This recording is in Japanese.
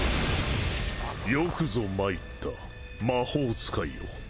よくぞ参った魔法使いよ